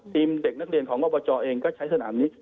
เด็กนักเรียนของอบจเองก็ใช้สนามนี้